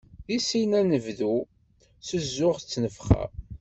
Di sin ad t-nebnu, s zzux d tnefxa.